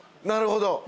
なるほど。